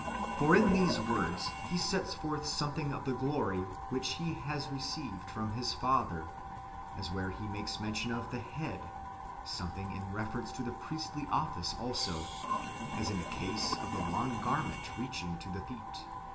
"* For in these words He sets forth something of the glory [which He has received] from His Father, as [where He makes mention of] the head ; something in reference to the priestly office also, as in the case of the long garment reaching to the feet.